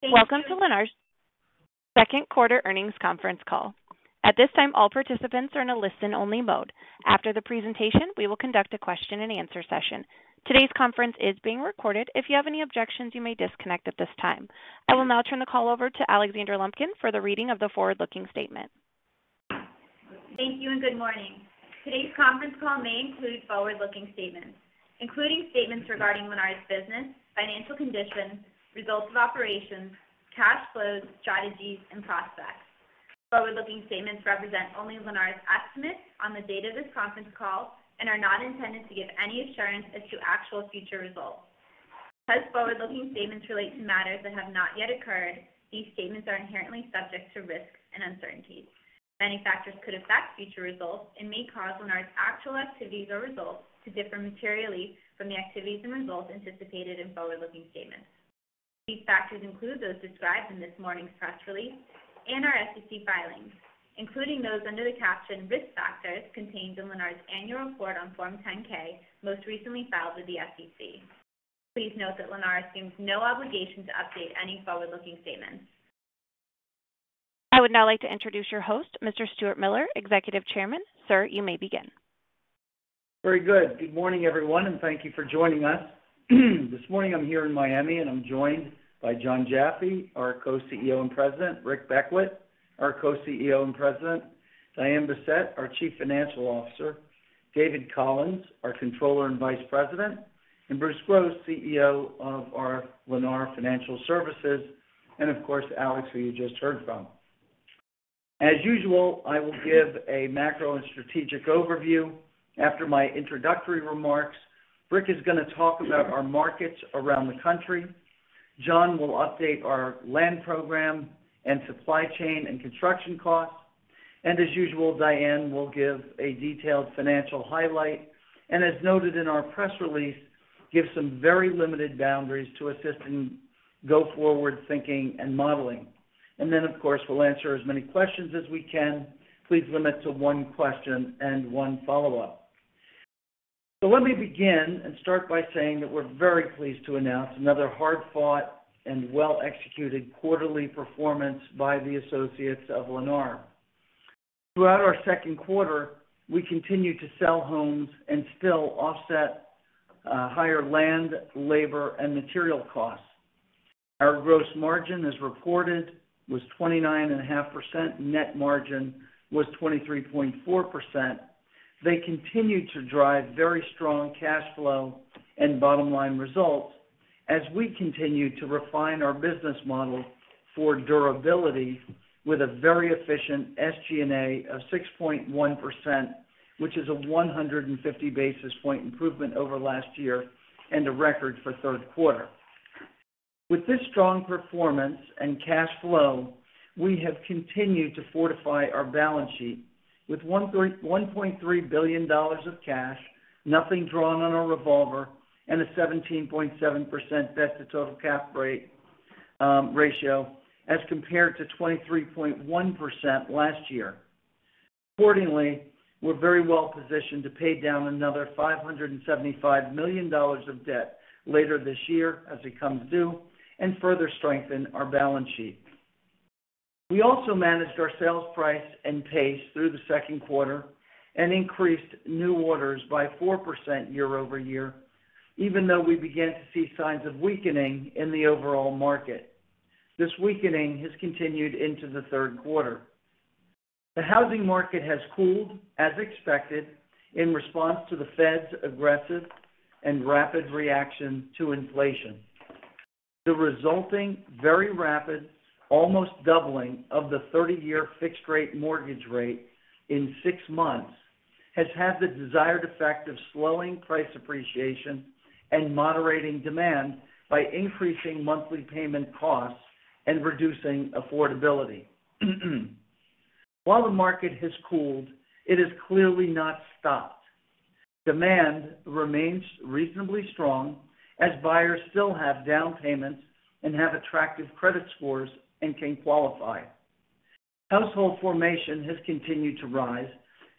Welcome to Lennar's Q2 Earnings Conference Call. At this time, all participants are in a listen-only mode. After the presentation, we will conduct a question-and-answer session. Today's conference is being recorded. If you have any objections, you may disconnect at this time. I will now turn the call over to Alexandra Lumpkin for the reading of the forward-looking statement. Thank you and good morning. Today's conference call may include forward-looking statements, including statements regarding Lennar's business, financial conditions, results of operations, cash flows, strategies, and prospects. Forward-looking statements represent only Lennar's estimates on the date of this conference call and are not intended to give any assurance as to actual future results. As forward-looking statements relate to matters that have not yet occurred, these statements are inherently subject to risks and uncertainties. Many factors could affect future results and may cause Lennar's actual activities or results to differ materially from the activities and results anticipated in forward-looking statements. These factors include those described in this morning's press release and our SEC filings, including those under the caption Risk Factors contained in Lennar's annual report on Form 10-K, most recently filed with the SEC. Please note that Lennar assumes no obligation to update any forward-looking statements. I would now like to introduce your host, Mr. Stuart Miller, Executive Chairman. Sir, you may begin. Very good. Good morning, everyone, and thank you for joining us. This morning, I'm here in Miami, and I'm joined by Jon Jaffe, our Co-CEO and President, Rick Beckwitt, our Co-CEO and President, Diane Bessette, our Chief Financial Officer, David Collins, our Controller and Vice President, and Bruce Gross, CEO of our Lennar Financial Services, and of course, Alexandra, who you just heard from. As usual, I will give a macro and strategic overview. After my introductory remarks, Rick is gonna talk about our markets around the country. Jon will update our land program and supply chain and construction costs. As usual, Diane will give a detailed financial highlight, and as noted in our press release, give some very limited boundaries to assist in go-forward thinking and modeling. Of course, we'll answer as many questions as we can. Please limit to one question and one follow-up. Let me begin and start by saying that we're very pleased to announce another hard-fought and well-executed quarterly performance by the associates of Lennar. Throughout our Q2, we continued to sell homes and still offset higher land, labor, and material costs. Our gross margin, as reported, was 29.5%. Net margin was 23.4%. They continued to drive very strong cash flow and bottom-line results as we continued to refine our business model for durability with a very efficient SG&A of 6.1%, which is a 150 basis point improvement over last year and a record for Q3. With this strong performance and cash flow, we have continued to fortify our balance sheet with $1.3 billion of cash, nothing drawn on our revolver, and a 17.7% debt-to-total cap ratio as compared to 23.1% last year. Accordingly, we're very well-positioned to pay down another $575 million of debt later this year as it comes due and further strengthen our balance sheet. We also managed our sales price and pace through the Q2 and increased new orders by 4% year-over-year, even though we began to see signs of weakening in the overall market. This weakening has continued into the Q3. The housing market has cooled, as expected, in response to the Fed's aggressive and rapid reaction to inflation. The resulting very rapid, almost doubling of the 30-year fixed rate mortgage rate in 6 months has had the desired effect of slowing price appreciation and moderating demand by increasing monthly payment costs and reducing affordability. While the market has cooled, it has clearly not stopped. Demand remains reasonably strong as buyers still have down payments and have attractive credit scores and can qualify. Household formation has continued to rise,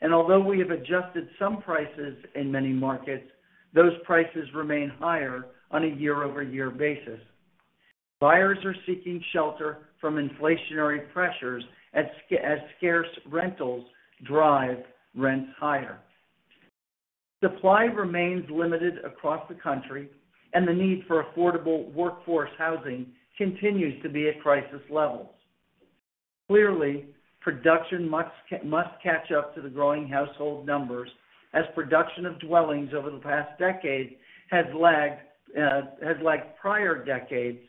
and although we have adjusted some prices in many markets, those prices remain higher on a year-over-year basis. Buyers are seeking shelter from inflationary pressures as scarce rentals drive rents higher. Supply remains limited across the country, and the need for affordable workforce housing continues to be at crisis levels. Clearly, production must catch up to the growing household numbers as production of dwellings over the past decade has lagged prior decades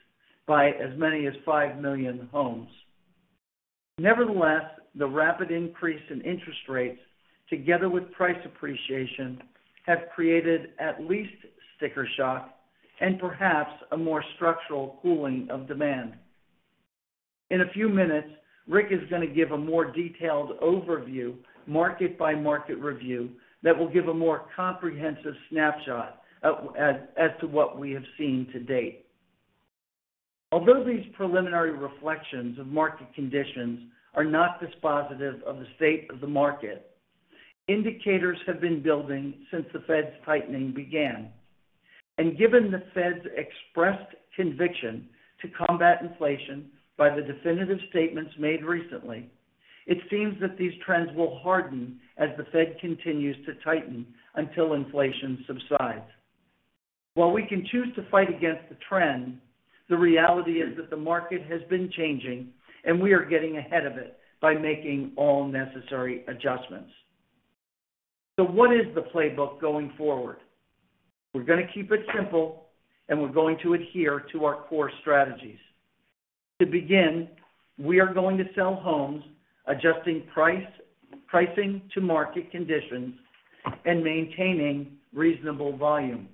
by as many as 5 million homes. Nevertheless, the rapid increase in interest rates together with price appreciation have created at least sticker shock and perhaps a more structural cooling of demand. In a few minutes, Rick is gonna give a more detailed overview, market-by-market review that will give a more comprehensive snapshot of what we have seen to date. Although these preliminary reflections of market conditions are not dispositive of the state of the market. Indicators have been building since the Fed's tightening began. Given the Fed's expressed conviction to combat inflation by the definitive statements made recently, it seems that these trends will harden as the Fed continues to tighten until inflation subsides. While we can choose to fight against the trend, the reality is that the market has been changing, and we are getting ahead of it by making all necessary adjustments. What is the playbook going forward? We're gonna keep it simple and we're going to adhere to our core strategies. To begin, we are going to sell homes, adjusting pricing to market conditions and maintaining reasonable volume.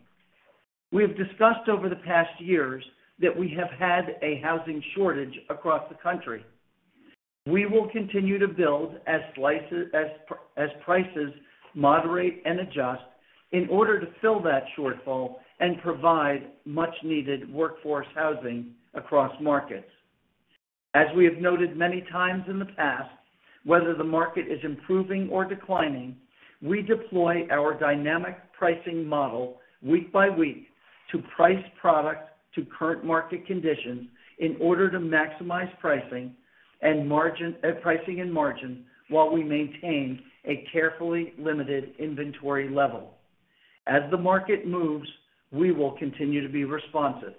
We have discussed over the past years that we have had a housing shortage across the country. We will continue to build as prices moderate and adjust in order to fill that shortfall and provide much needed workforce housing across markets. As we have noted many times in the past, whether the market is improving or declining, we deploy our dynamic pricing model week by week to price product to current market conditions in order to maximize pricing and margin while we maintain a carefully limited inventory level. As the market moves, we will continue to be responsive.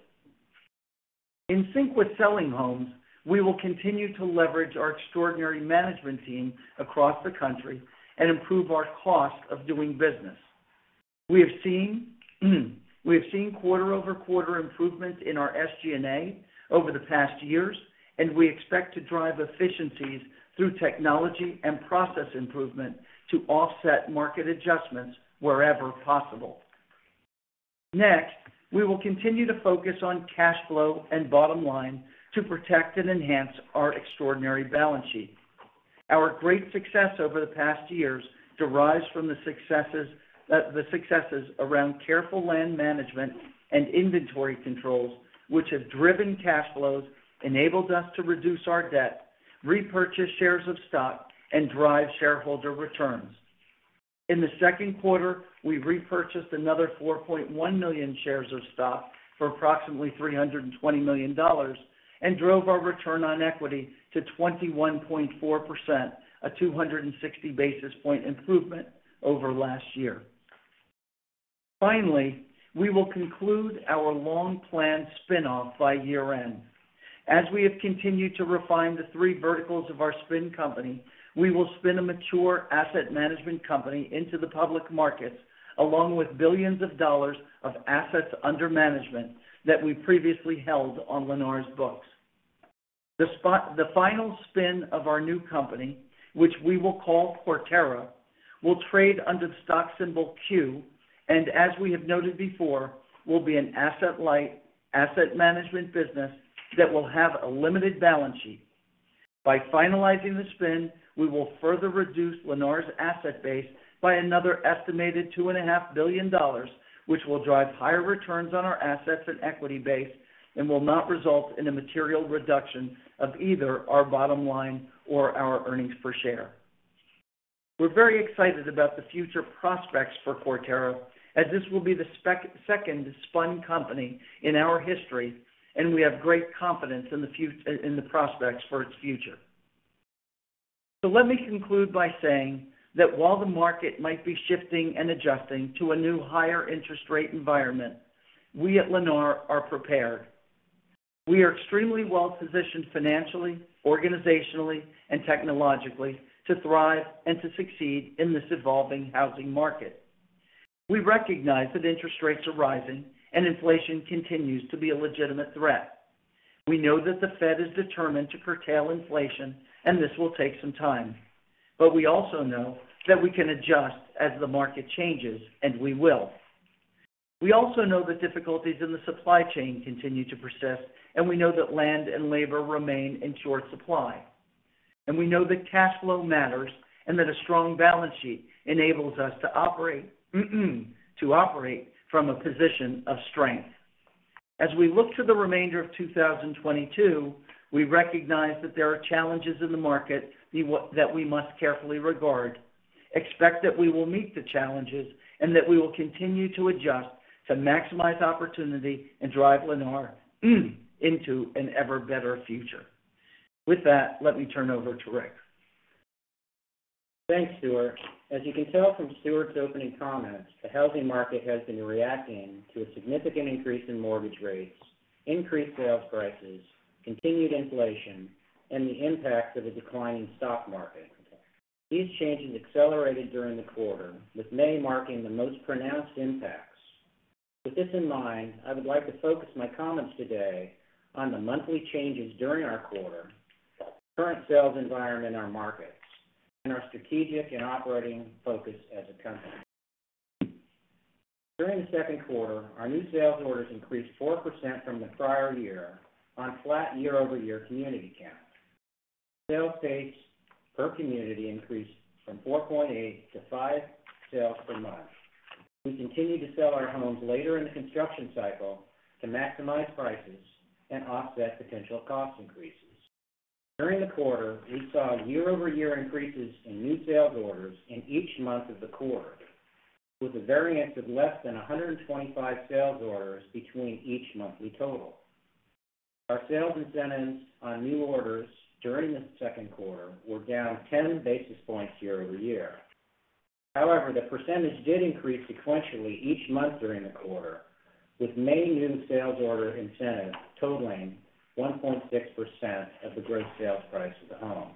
In sync with selling homes, we will continue to leverage our extraordinary management team across the country and improve our cost of doing business. We have seen quarter-over-quarter improvement in our SG&A over the past years, and we expect to drive efficiencies through technology and process improvement to offset market adjustments wherever possible. Next, we will continue to focus on cash flow and bottom line to protect and enhance our extraordinary balance sheet. Our great success over the past years derives from the successes around careful land management and inventory controls, which have driven cash flows, enabled us to reduce our debt, repurchase shares of stock, and drive shareholder returns. In the Q2, we repurchased another 4.1 million shares of stock for approximately $320 million, and drove our return on equity to 21.4%, a 260 basis point improvement over last year. Finally, we will conclude our long-planned spin-off by year-end. As we have continued to refine the three verticals of our spin company, we will spin a mature asset management company into the public markets, along with billions of dollars of assets under management that we previously held on Lennar's books. The final spin of our new company, which we will call Quarterra, will trade under the stock symbol Q, and as we have noted before, will be an asset-light asset management business that will have a limited balance sheet. By finalizing the spin, we will further reduce Lennar's asset base by another estimated $2 and a half billion, which will drive higher returns on our assets and equity base, and will not result in a material reduction of either our bottom line or our earnings per share. We're very excited about the future prospects for Quarterra, as this will be the second spun company in our history, and we have great confidence in the prospects for its future. Let me conclude by saying that while the market might be shifting and adjusting to a new higher interest rate environment, we at Lennar are prepared. We are extremely well-positioned financially, organizationally, and technologically to thrive and to succeed in this evolving housing market. We recognize that interest rates are rising and inflation continues to be a legitimate threat. We know that the Fed is determined to curtail inflation, and this will take some time. We also know that we can adjust as the market changes, and we will. We also know the difficulties in the supply chain continue to persist, and we know that land and labor remain in short supply. We know that cash flow matters, and that a strong balance sheet enables us to operate, to operate from a position of strength. As we look to the remainder of 2022, we recognize that there are challenges in the market that we must carefully regard, expect that we will meet the challenges, and that we will continue to adjust to maximize opportunity and drive Lennar into an ever better future. With that, let me turn over to Rick. Thanks, Stuart. As you can tell from Stuart's opening comments, the housing market has been reacting to a significant increase in mortgage rates, increased sales prices, continued inflation, and the impact of a decline in stock market. These changes accelerated during the quarter, with May marking the most pronounced impacts. With this in mind, I would like to focus my comments today on the monthly changes during our quarter, the current sales environment in our markets, and our strategic and operating focus as a company. During the Q2, our new sales orders increased 4% from the prior year on flat year-over-year community count. Sales pace per community increased from 4.8 to 5 sales per month. We continue to sell our homes later in the construction cycle to maximize prices and offset potential cost increases. During the quarter, we saw year-over-year increases in new sales orders in each month of the quarter, with a variance of less than 125 sales orders between each monthly total. Our sales incentives on new orders during the Q2 were down 10 basis points year-over-year. However, the percentage did increase sequentially each month during the quarter, with May new sales order incentives totaling 1.6% of the gross sales price of the home.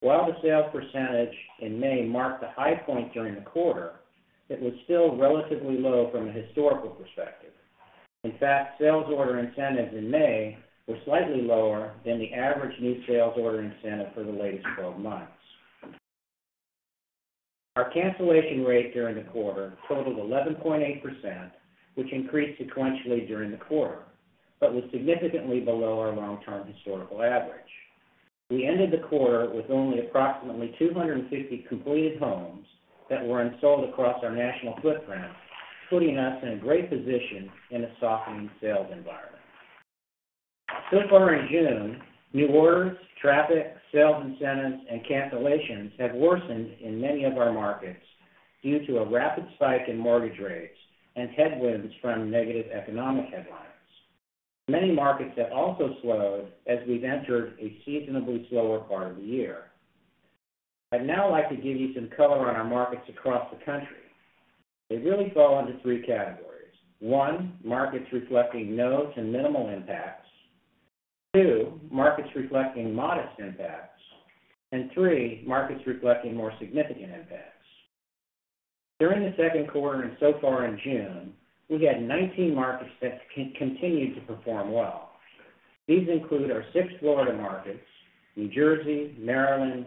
While the sales percentage in May marked the high point during the quarter, it was still relatively low from a historical perspective. In fact, sales order incentives in May were slightly lower than the average new sales order incentive for the latest 12 months. Our cancellation rate during the quarter totaled 11.8%, which increased sequentially during the quarter, but was significantly below our long-term historical average. We ended the quarter with only approximately 250 completed homes that were unsold across our national footprint, putting us in a great position in a softening sales environment. So far in June, new orders, traffic, sales incentives, and cancellations have worsened in many of our markets due to a rapid spike in mortgage rates and headwinds from negative economic headlines. Many markets have also slowed as we've entered a seasonally slower part of the year. I'd now like to give you some color on our markets across the country. They really fall into three categories. Markets reflecting no to minimal impacts. Markets reflecting modest impacts. Three, markets reflecting more significant impacts. During the Q2 and so far in June, we've had 19 markets that continue to perform well. These include our 6 Florida markets, New Jersey, Maryland,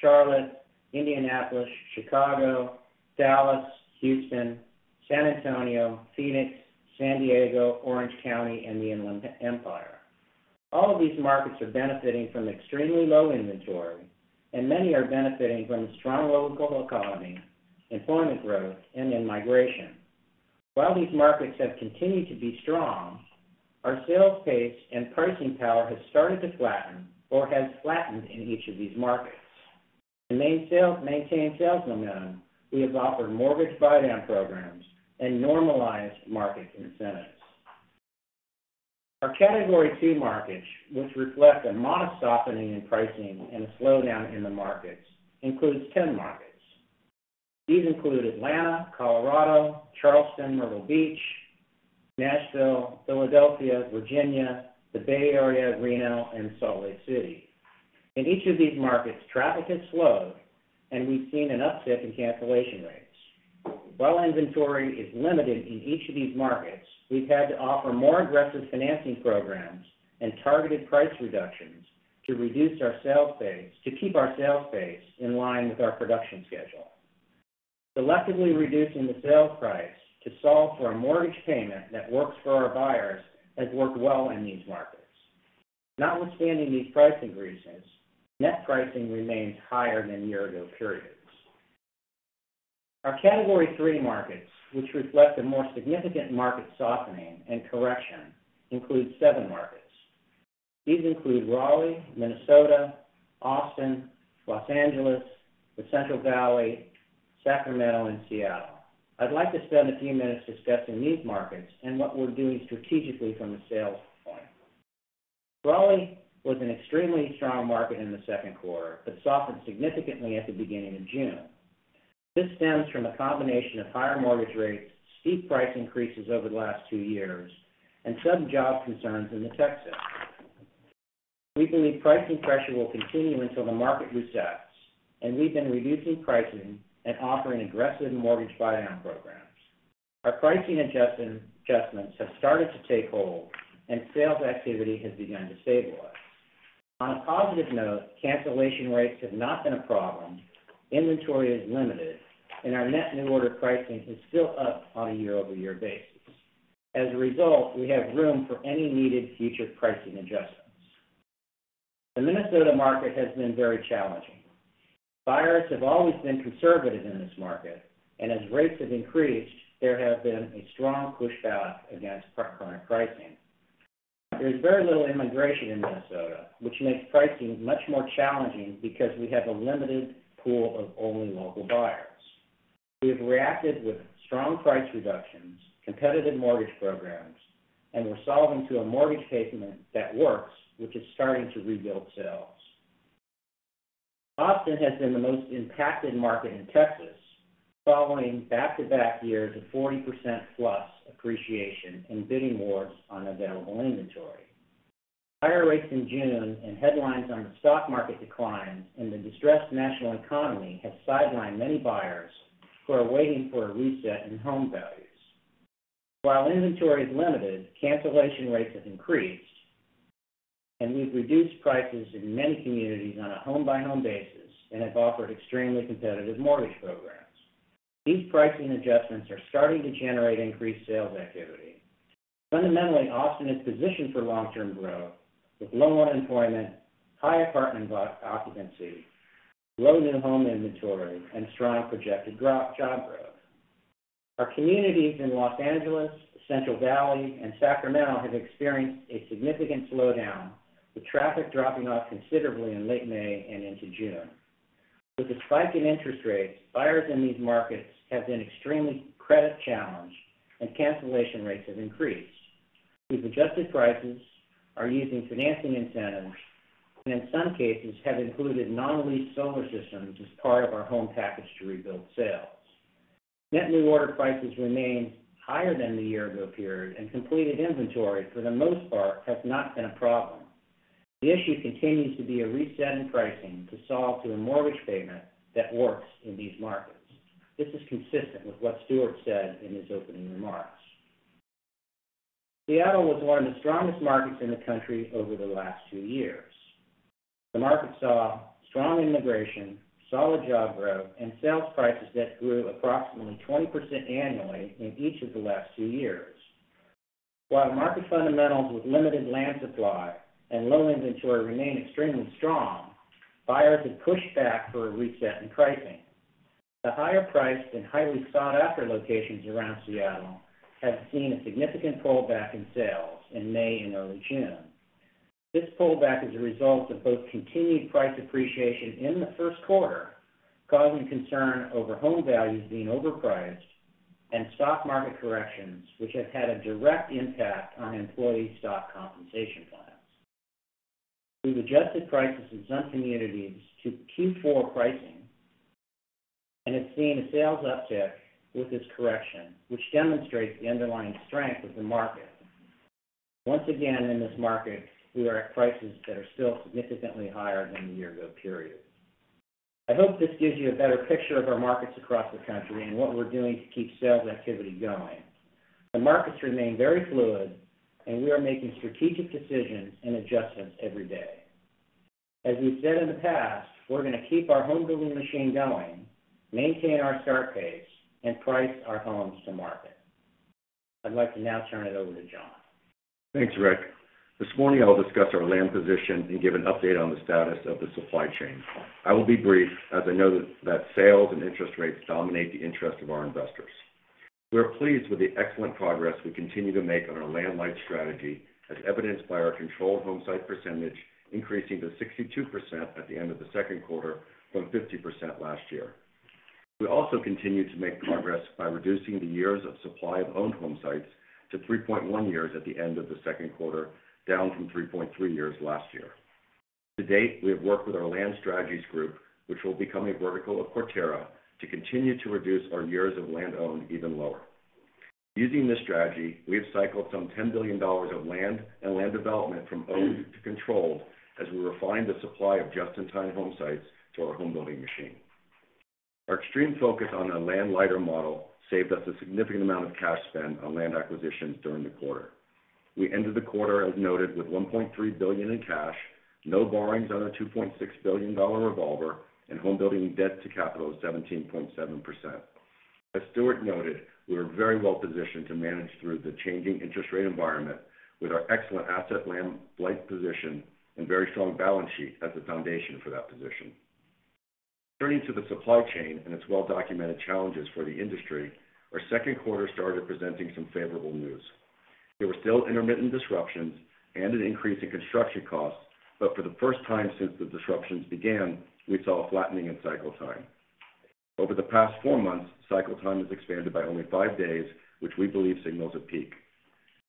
Charlotte, Indianapolis, Chicago, Dallas, Houston, San Antonio, Phoenix, San Diego, Orange County, and the Inland Empire. All of these markets are benefiting from extremely low inventory, and many are benefiting from strong local economy, employment growth, and in-migration. While these markets have continued to be strong, our sales pace and pricing power has started to flatten or has flattened in each of these markets. To maintain sales momentum, we have offered mortgage buydown programs and normalized market incentives. Our category two markets, which reflect a modest softening in pricing and a slowdown in the markets, includes 10 markets. These include Atlanta, Colorado, Charleston, Myrtle Beach, Nashville, Philadelphia, Virginia, the Bay Area, Reno, and Salt Lake City. In each of these markets, traffic has slowed, and we've seen an uptick in cancellation rates. While inventory is limited in each of these markets, we've had to offer more aggressive financing programs and targeted price reductions to keep our sales pace in line with our production schedule. Selectively reducing the sale price to solve for a mortgage payment that works for our buyers has worked well in these markets. Notwithstanding these pricing reasons, net pricing remains higher than year-ago periods. Our category three markets, which reflect a more significant market softening and correction, include seven markets. These include Raleigh, Minnesota, Austin, Los Angeles, the Central Valley, Sacramento, and Seattle. I'd like to spend a few minutes discussing these markets and what we're doing strategically from a sales point. Raleigh was an extremely strong market in the Q2, but softened significantly at the beginning of June. This stems from a combination of higher mortgage rates, steep price increases over the last two years, and some job concerns in the tech sector. We believe pricing pressure will continue until the market resets, and we've been reducing pricing and offering aggressive mortgage buydown programs. Our pricing adjustments have started to take hold, and sales activity has begun to stabilize. On a positive note, cancellation rates have not been a problem, inventory is limited, and our net new order pricing is still up on a year-over-year basis. As a result, we have room for any needed future pricing adjustments. The Minnesota market has been very challenging. Buyers have always been conservative in this market, and as rates have increased, there has been a strong pushback against current pricing. There's very little immigration in Minnesota, which makes pricing much more challenging because we have a limited pool of only local buyers. We have reacted with strong price reductions, competitive mortgage programs, and we're solving to a mortgage payment that works, which is starting to rebuild sales. Austin has been the most impacted market in Texas following back-to-back years of 40%+ appreciation and bidding wars on available inventory. Higher rates in June and headlines on the stock market decline and the distressed national economy have sidelined many buyers who are waiting for a reset in home values. While inventory is limited, cancellation rates have increased, and we've reduced prices in many communities on a home-by-home basis and have offered extremely competitive mortgage programs. These pricing adjustments are starting to generate increased sales activity. Fundamentally, Austin is positioned for long-term growth with low unemployment, high apartment occupancy, low new home inventory, and strong projected job growth. Our communities in Los Angeles, Central Valley, and Sacramento have experienced a significant slowdown, with traffic dropping off considerably in late May and into June. With the spike in interest rates, buyers in these markets have been extremely credit-challenged, and cancellation rates have increased. We've adjusted prices, are using financing incentives, and in some cases have included non-lease solar systems as part of our home package to rebuild sales. Net new order prices remain higher than the year-ago period, and completed inventory, for the most part, has not been a problem. The issue continues to be a reset in pricing to solve to a mortgage payment that works in these markets. This is consistent with what Stuart said in his opening remarks. Seattle was one of the strongest markets in the country over the last two years. The market saw strong immigration, solid job growth, and sales prices that grew approximately 20% annually in each of the last two years. While market fundamentals with limited land supply and low inventory remain extremely strong, buyers have pushed back for a reset in pricing. The higher-priced and highly sought-after locations around Seattle have seen a significant pullback in sales in May and early June. This pullback is a result of both continued price appreciation in the Q1, causing concern over home values being overpriced and stock market corrections, which have had a direct impact on employee stock compensation plans. We've adjusted prices in some communities to Q4 pricing and have seen a sales uptick with this correction, which demonstrates the underlying strength of the market. Once again, in this market, we are at prices that are still significantly higher than the year-ago period. I hope this gives you a better picture of our markets across the country and what we're doing to keep sales activity going. The markets remain very fluid, and we are making strategic decisions and adjustments every day. As we've said in the past, we're gonna keep our home building machine going, maintain our start pace, and price our homes to market. I'd like to now turn it over to Jon Jaffe. Thanks, Rick. This morning I will discuss our land position and give an update on the status of the supply chain. I will be brief as I know that sales and interest rates dominate the interest of our Investors. We are pleased with the excellent progress we continue to make on our land light strategy, as evidenced by our controlled home site percentage increasing to 62% at the end of the Q2 from 50% last year. We also continue to make progress by reducing the years of supply of owned home sites to 3.1 years at the end of the Q2, down from 3.3 years last year. To date, we have worked with our land strategies group, which will become a vertical of Quarterra, to continue to reduce our years of land owned even lower. Using this strategy, we have cycled some $10 billion of land and land development from owned to controlled as we refine the supply of just-in-time home sites to our home building machine. Our extreme focus on a land-light model saved us a significant amount of cash spend on land acquisitions during the quarter. We ended the quarter, as noted, with $1.3 billion in cash, no borrowings on a $2.6 billion revolver, and homebuilding debt-to-capital of 17.7%. As Stuart noted, we are very well positioned to manage through the changing interest rate environment with our excellent asset land-light position and very strong balance sheet as the foundation for that position. Turning to the supply chain and its well-documented challenges for the industry, our Q2 started presenting some favorable news. There were still intermittent disruptions and an increase in construction costs, but for the first time since the disruptions began, we saw a flattening in cycle time. Over the past 4 months, cycle time has expanded by only 5 days, which we believe signals a peak.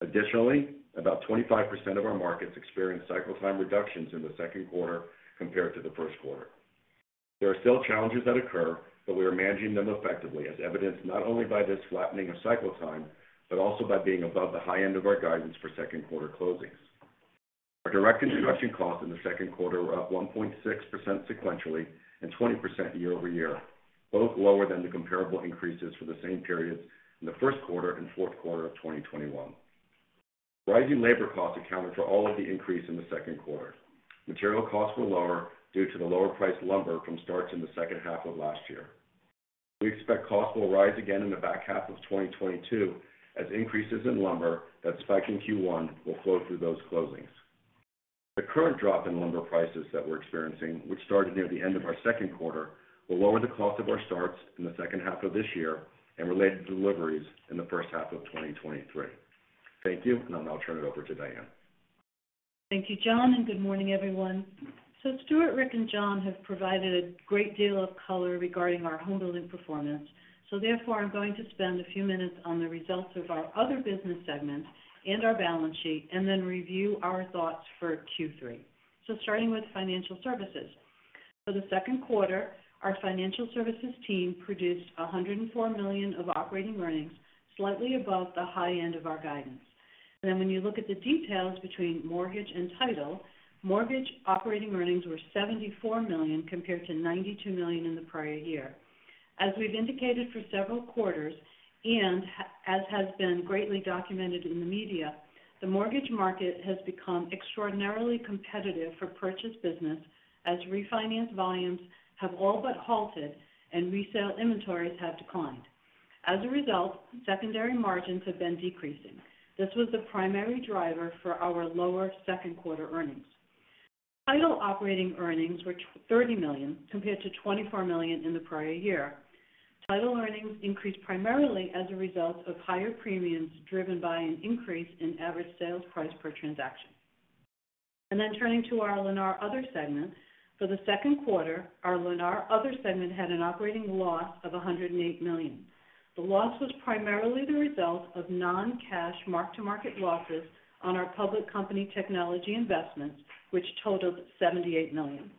Additionally, about 25% of our markets experienced cycle time reductions in the Q2 compared to the Q1. There are still challenges that occur, but we are managing them effectively, as evidenced not only by this flattening of cycle time, but also by being above the high end of our guidance for Q2 closings. Our direct construction costs in the Q2 were up 1.6% sequentially and 20% year-over-year, both lower than the comparable increases for the same periods in the Q1 and fourth Q4 of 2021. Rising labor costs accounted for all of the increase in the Q2. Material costs were lower due to the lower priced lumber from starts in the second half of last year. We expect costs will rise again in the back half of 2022, as increases in lumber that spiked in Q1 will flow through those closings. The current drop in lumber prices that we're experiencing, which started near the end of our Q2, will lower the cost of our starts in the second half of this year and related deliveries in the first half of 2023. Thank you. I'll now turn it over to Diane. Thank you, Jon, and good morning, everyone. Stuart, Rick, and Jon have provided a great deal of color regarding our home building performance. I'm going to spend a few minutes on the results of our other business segments and our balance sheet, and then review our thoughts for Q3. Starting with Financial Services. For the Q2, our Financial Services team produced $104 million of operating earnings, slightly above the high end of our guidance. Then when you look at the details between mortgage and title, mortgage operating earnings were $74 million compared to $92 million in the prior year. As we've indicated for several quarters, and as has been greatly documented in the media, the mortgage market has become extraordinarily competitive for purchase business as refinance volumes have all but halted and resale inventories have declined. As a result, secondary margins have been decreasing. This was the primary driver for our lower Q2 earnings. Title operating earnings were $30 million compared to $24 million in the prior year. Title earnings increased primarily as a result of higher premiums driven by an increase in average sales price per transaction. Then turning to our Lennar Other segment. For the Q2, our Lennar Other segment had an operating loss of $108 million. The loss was primarily the result of non-cash mark-to-market losses on our public company technology investments, which totaled $78 million.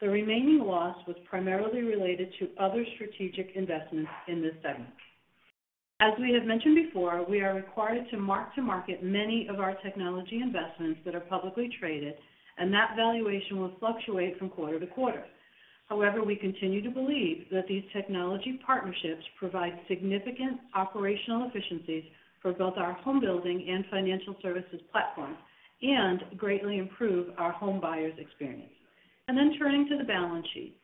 The remaining loss was primarily related to other strategic investments in this segment. As we have mentioned before, we are required to mark to market many of our technology investments that are publicly traded, and that valuation will fluctuate from quarter to quarter. However, we continue to believe that these technology partnerships provide significant operational efficiencies for both our home building and financial services platform, and greatly improve our home buyers' experience. Turning to the balance sheet.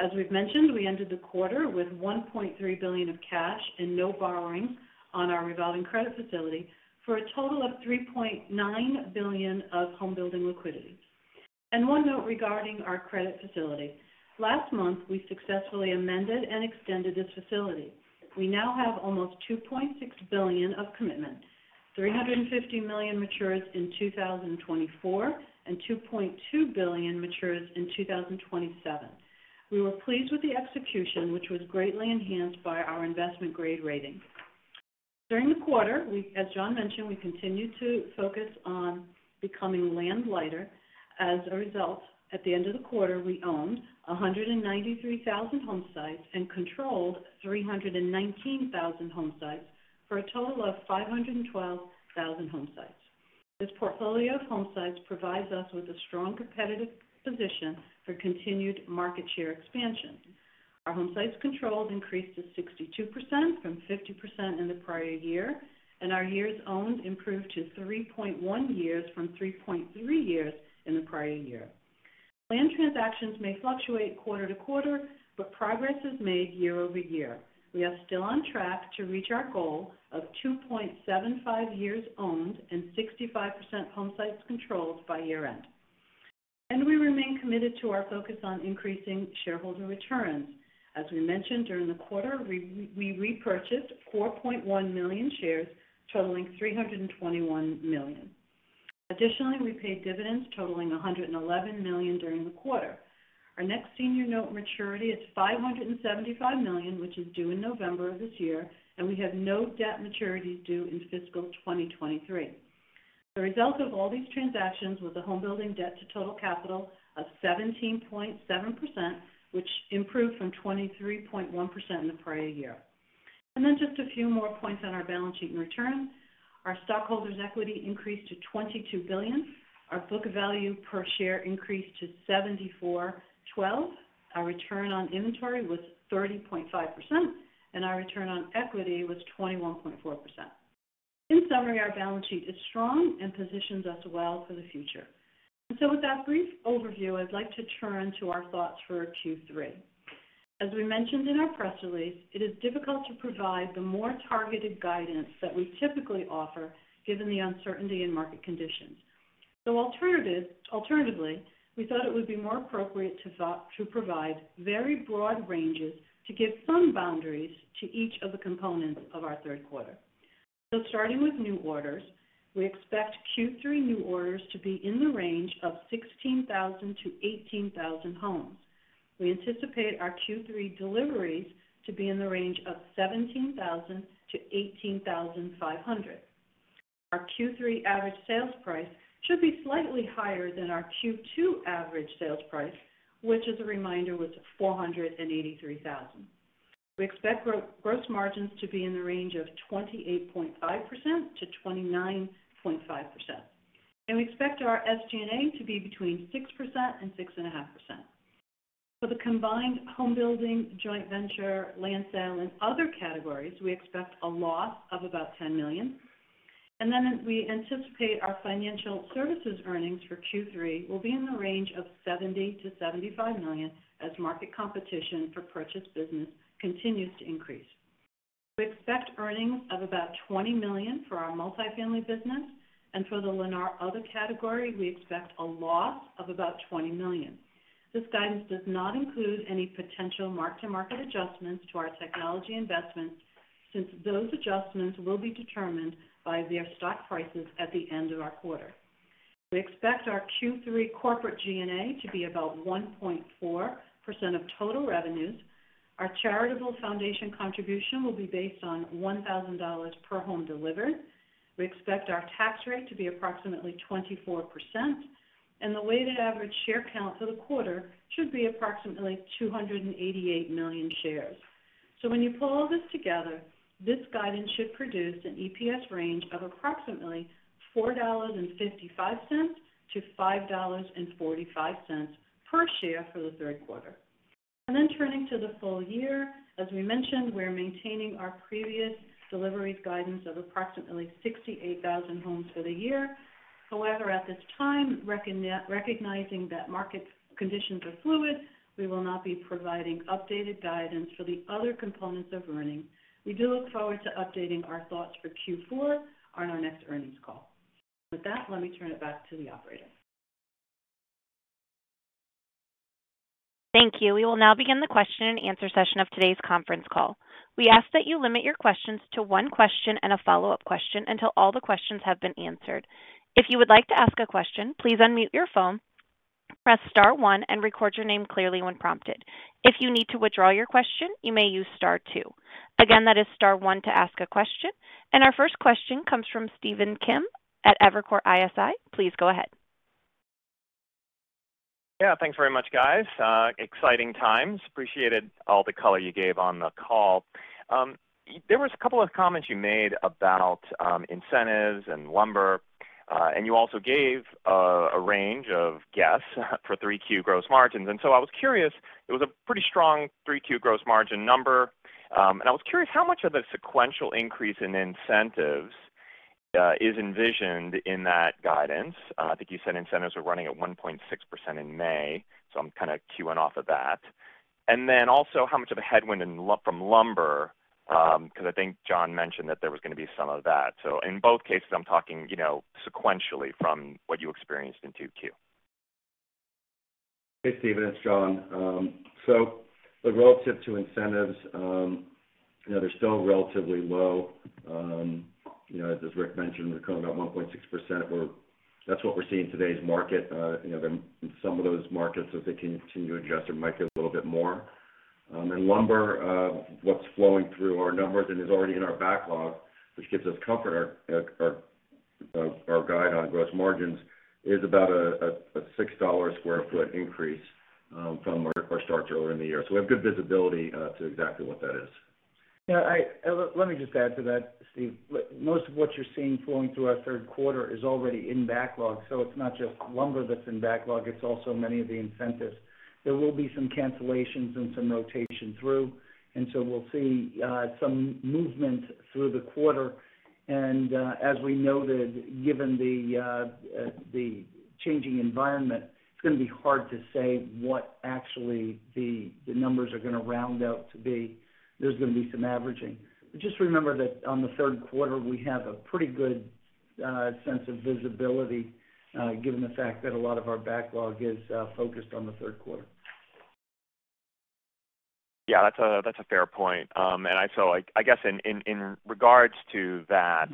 As we've mentioned, we ended the quarter with $1.3 billion of cash and no borrowing on our revolving credit facility for a total of $3.9 billion of home building liquidity. One note regarding our credit facility. Last month, we successfully amended and extended this facility. We now have almost $2.6 billion of commitments, $350 million matures in 2024, and $2.2 billion matures in 2027. We were pleased with the execution, which was greatly enhanced by our investment grade rating. During the quarter, we, as Jon mentioned, continued to focus on becoming land lighter. As a result, at the end of the quarter, we owned 193,000 home sites and controlled 319,000 home sites for a total of 512,000 home sites. This portfolio of home sites provides us with a strong competitive position for continued market share expansion. Our home sites controlled increased to 62% from 50% in the prior year, and our years owned improved to 3.1 years from 3.3 years in the prior year. Land transactions may fluctuate quarter to quarter, but progress is made year-over-year. We are still on track to reach our goal of 2.75 years owned and 65% home sites controlled by year-end. We remain committed to our focus on increasing shareholder returns. As we mentioned during the quarter, we repurchased 4.1 million shares totaling $321 million. Additionally, we paid dividends totaling $111 million during the quarter. Our next senior note maturity is $575 million, which is due in November of this year, and we have no debt maturities due in Fiscal 2023. The result of all these transactions was a home building debt to total capital of 17.7%, which improved from 23.1% in the prior year. Just a few more points on our balance sheet in return. Our stockholders' equity increased to $22 billion. Our book value per share increased to $74.12. Our return on inventory was 30.5%, and our return on equity was 21.4%. In summary, our balance sheet is strong and positions us well for the future. With that brief overview, I'd like to turn to our thoughts for Q3. As we mentioned in our press release, it is difficult to provide the more targeted guidance that we typically offer given the uncertainty in market conditions. Alternatively, we thought it would be more appropriate to provide very broad ranges to give some boundaries to each of the components of our Q3. Starting with new orders, we expect Q3 new orders to be in the range of 16,000-18,000 homes. We anticipate our Q3 deliveries to be in the range of 17,000-18,500. Our Q3 average sales price should be slightly higher than our Q2 average sales price, which as a reminder, was $483,000. We expect gross margins to be in the range of 28.5%-29.5%. We expect our SG&A to be between 6% and 6.5%. For the combined home building, joint venture, land sale, and other categories, we expect a loss of about $10 million. We anticipate our financial services earnings for Q3 will be in the range of $70 million-$75 million as market competition for purchase business continues to increase. We expect earnings of about $20 million for our multifamily business. For the Lennar Other category, we expect a loss of about $20 million. This guidance does not include any potential mark-to-market adjustments to our technology investments, since those adjustments will be determined by their stock prices at the end of our quarter. We expect our Q3 corporate SG&A to be about 1.4% of total revenues. Our charitable foundation contribution will be based on $1,000 per home delivered. We expect our tax rate to be approximately 24%, and the weighted average share count for the quarter should be approximately 288 million shares. When you pull all this together, this guidance should produce an EPS range of approximately $4.55-$5.45 per share for the Q3. Turning to the full year, as we mentioned, we're maintaining our previous deliveries guidance of approximately 68,000 homes for the year. However, at this time, recognizing that market conditions are fluid, we will not be providing updated guidance for the other components of earnings. We do look forward to updating our thoughts for Q4 on our next earnings call. With that, let me turn it back to the operator. Thank you. We will now begin the question-and-answer session of today's conference call. We ask that you limit your questions to one question and a follow-up question until all the questions have been answered. If you would like to ask a question, please unmute your phone, press Star 1 and record your name clearly when prompted. If you need to withdraw your question, you may use Star 2. Again, that is Star 1 to ask a question, and our first question comes from Stephen Kim at Evercore ISI. Please go ahead. Yeah, thanks very much, guys. Exciting times. Appreciated all the color you gave on the call. There was a couple of comments you made about incentives and lumber, and you also gave a range of guidance for Q3 gross margins. I was curious, it was a pretty strong Q3 gross margin number. I was curious how much of the sequential increase in incentives is envisioned in that guidance. I think you said incentives are running at 1.6% in May, so I'm kind of keying off of that. Then also, how much of a headwind from lumber, because I think Jon mentioned that there was going to be some of that. In both cases, I'm talking, you know, sequentially from what you experienced in Q2. Hey, Stephen, it's Jon. Relative to incentives, you know, they're still relatively low. You know, as Rick mentioned, we're coming at 1.6%. That's what we're seeing in today's market. You know, in some of those markets, if they continue to adjust, there might be a little bit more. Lumber, what's flowing through our numbers and is already in our backlog, which gives us comfort, you know, our guidance on gross margins, is about a $6 sq ft increase, from our starts earlier in the year. We have good visibility to exactly what that is. Yeah, let me just add to that, Stephen. Most of what you're seeing flowing through our Q3 is already in backlog, so it's not just lumber that's in backlog, it's also many of the incentives. There will be some cancellations and some rotation through, and so we'll see some movement through the quarter. As we noted, given the changing environment, it's going to be hard to say what actually the numbers are going to round out to be. There's going to be some averaging. Just remember that on the Q3, we have a pretty good sense of visibility, given the fact that a lot of our backlog is focused on the Q3. Yeah, that's a fair point. I guess in regards to that,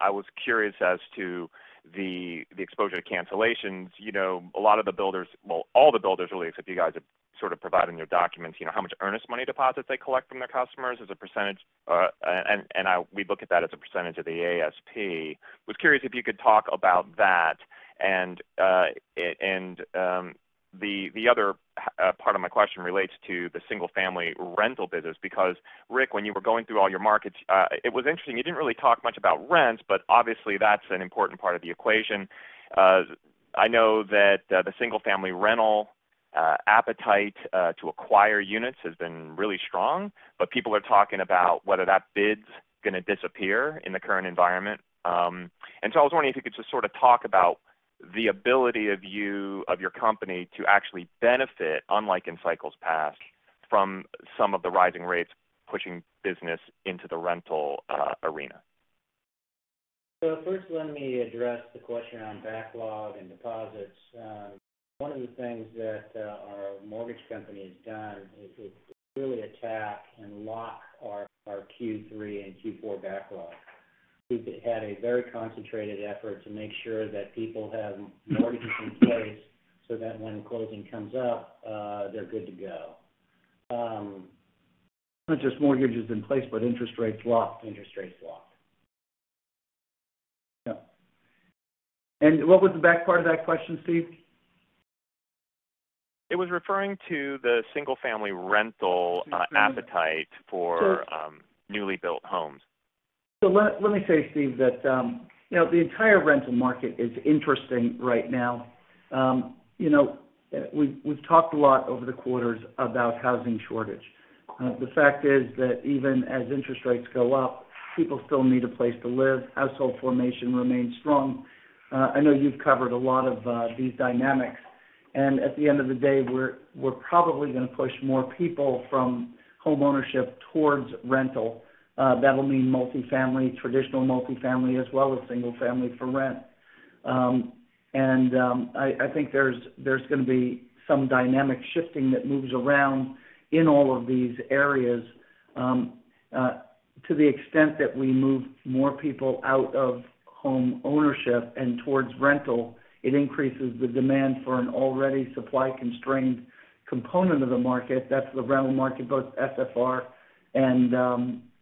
I was curious as to the exposure to cancellations. You know, a lot of the builders, well, all the builders really, except you guys have sort of providing their documents, you know, how much earnest money deposits they collect from their customers as a percentage. We look at that as a percentage of the ASP. Was curious if you could talk about that. The other part of my question relates to the single-family rental business, because, Rick, when you were going through all your markets, it was interesting, you didn't really talk much about rent, but obviously that's an important part of the equation. I know that the single family rental appetite to acquire units has been really strong, but people are talking about whether that bid's gonna disappear in the current environment. I was wondering if you could just sort of talk about the ability of you, of your company to actually benefit, unlike in cycles past, from some of the rising rates pushing business into the rental arena. First, let me address the question on backlog and deposits. One of the things that our mortgage company has done is really attack and lock our Q3 and Q4 backlog. We've had a very concentrated effort to make sure that people have mortgages in place so that when closing comes up, they're good to go. Not just mortgages in place, but interest rates locked. Interest rates locked. What was the back part of that question, Stephen? It was referring to the single family rental appetite for newly built homes. Let me say, Stephen, that you know, the entire rental market is interesting right now. You know, we've talked a lot over the quarters about housing shortage. The fact is that even as interest rates go up, people still need a place to live. Household formation remains strong. I know you've covered a lot of these dynamics. At the end of the day, we're probably going to push more people from homeownership towards rental. That'll mean multifamily, traditional multifamily, as well as single-family for rent. I think there's going to be some dynamic shifting that moves around in all of these areas. To the extent that we move more people out of homeownership and towards rental, it increases the demand for an already supply-constrained component of the market. That's the rental market, both SFR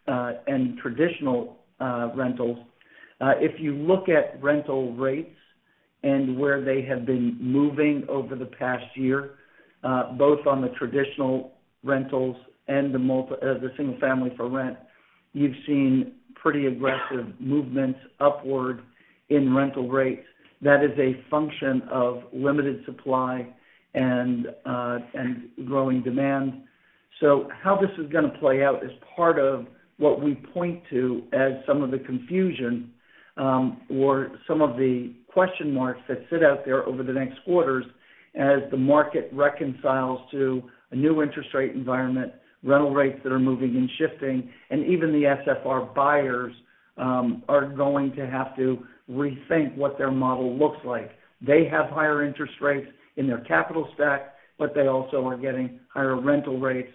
and traditional rentals. If you look at rental rates and where they have been moving over the past year, both on the traditional rentals and the single family for rent, you've seen pretty aggressive movements upward in rental rates. That is a function of limited supply and growing demand. How this is going to play out is part of what we point to as some of the confusion, or some of the question marks that sit out there over the next quarters as the market reconciles to a new interest rate environment, rental rates that are moving and shifting, and even the SFR buyers are going to have to rethink what their model looks like. They have higher interest rates in their capital stack, but they also are getting higher rental rates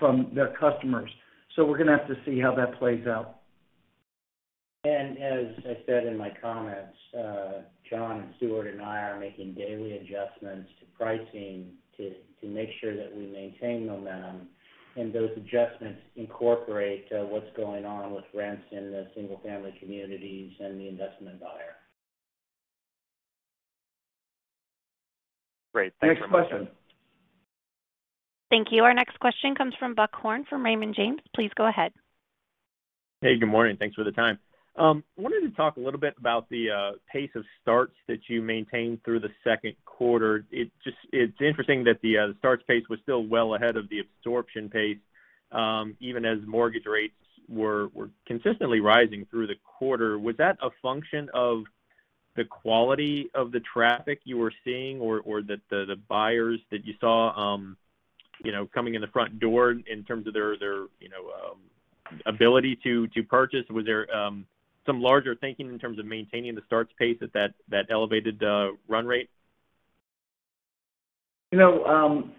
from their customers. We're gonna have to see how that plays out. As I said in my comments, Jon and Stuart and I are making daily adjustments to pricing to make sure that we maintain momentum. Those adjustments incorporate what's going on with rents in the single-family communities and the investment buyer. Great. Thanks so much. Next question. Thank you. Our next question comes from Buck Horne from Raymond James. Please go ahead. Hey, good morning. Thanks for the time. Wanted to talk a little bit about the pace of starts that you maintained through the Q2. It's interesting that the starts pace was still well ahead of the absorption pace, even as mortgage rates were consistently rising through the quarter. Was that a function of the quality of the traffic you were seeing or the buyers that you saw, you know, coming in the front door in terms of their you know, ability to purchase? Was there some larger thinking in terms of maintaining the starts pace at that elevated run rate? You know,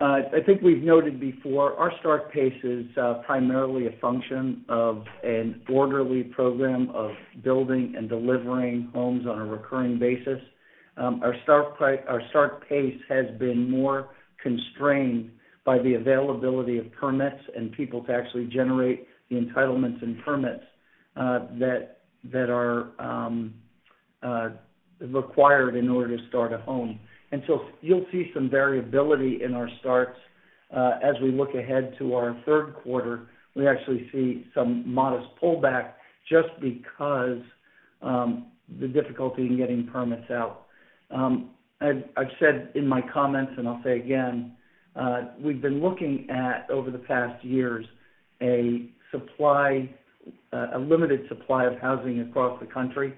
I think we've noted before our start pace is primarily a function of an orderly program of building and delivering homes on a recurring basis. Our start pace has been more constrained by the availability of permits and people to actually generate the entitlements and permits that are required in order to start a home. You'll see some variability in our starts. As we look ahead to our Q3, we actually see some modest pullback just because the difficulty in getting permits out. I've said in my comments, and I'll say again, we've been looking at, over the past years, a limited supply of housing across the country.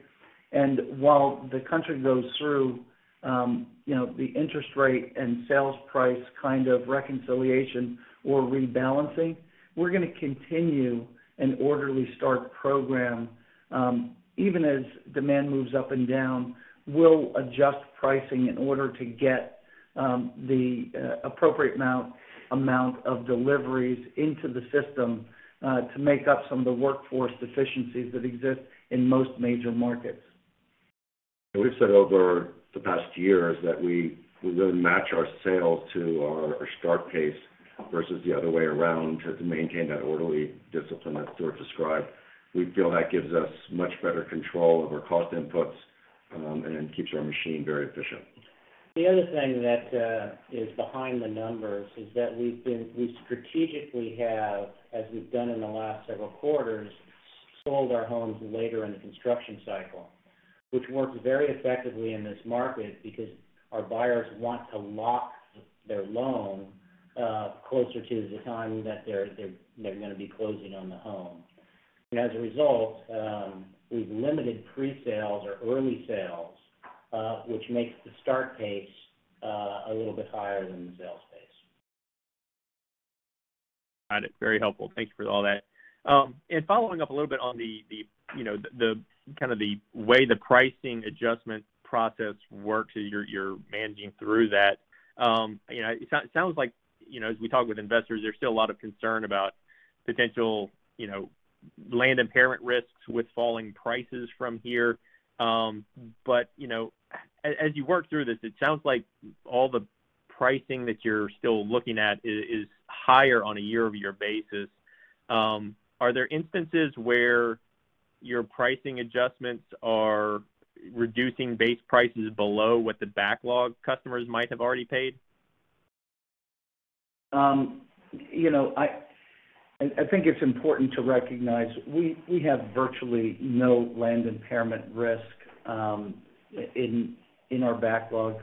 While the country goes through, you know, the interest rate and sales price kind of reconciliation or rebalancing, we're gonna continue an orderly start program. Even as demand moves up and down, we'll adjust pricing in order to get the appropriate amount of deliveries into the system, to make up some of the workforce deficiencies that exist in most major markets. We've said over the past years that we really match our sales to our start pace versus the other way around to maintain that orderly discipline that Stuart described. We feel that gives us much better control over cost inputs, and keeps our machine very efficient. The other thing that is behind the numbers is that we strategically have, as we've done in the last several quarters, sold our homes later in the construction cycle, which works very effectively in this market because our buyers want to lock their loan closer to the time that they're gonna be closing on the home. As a result, we've limited presales or early sales, which makes the start pace a little bit higher than the sales pace. Got it. Very helpful. Thank you for all that. Following up a little bit on the way the pricing adjustment process works as you're managing through that, you know, it sounds like, you know, as we talk with Investors, there's still a lot of concern about potential you know land impairment risks with falling prices from here. You know, as you work through this, it sounds like all the pricing that you're still looking at is higher on a year-over-year basis. Are there instances where your pricing adjustments are reducing base prices below what the backlog customers might have already paid? You know, I think it's important to recognize we have virtually no land impairment risk in our backlog.